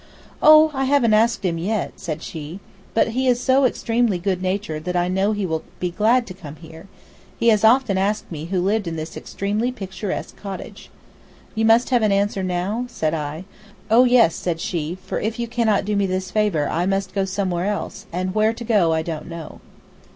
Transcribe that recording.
"Oh, I haven't asked him yet," said she, "but he is so extremely good natured that I know he will be glad to come here. He has often asked me who lived in this extremely picturesque cottage." "You must have an answer now?" said I. "Oh, yes," said she, "for if you cannot do me this favor I must go somewhere else, and where to go I don't know."